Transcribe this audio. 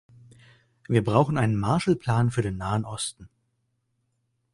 Wir brauchen einen Marshall-Plan für den Nahen Osten.